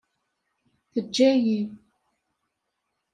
Teǧǧa-iyi.